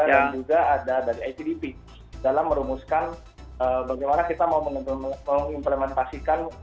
dan juga ada dari itdp dalam merumuskan bagaimana kita mau mengimplementasikan